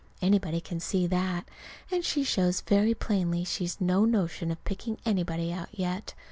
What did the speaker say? Anybody can see that. And she shows very plainly she's no notion of picking anybody out yet.